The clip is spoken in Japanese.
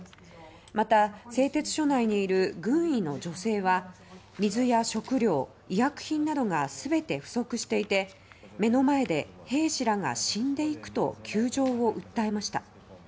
また製鉄所内にいる軍医の女性は水や食料、医薬品などが全て不足していて「目の前で兵士らが死んでいく」と窮状を訴えました。